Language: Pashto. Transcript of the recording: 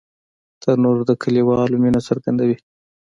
تنور د کلیوالو مینه څرګندوي